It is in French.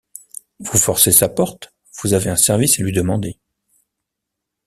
Vous forcez sa porte, vous avez un service à lui demander...